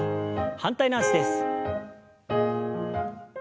反対の脚です。